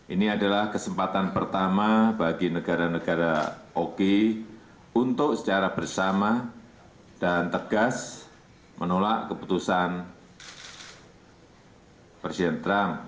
ini adalah kesempatan pertama bagi negara negara oki untuk secara bersama dan tegas menolak keputusan presiden trump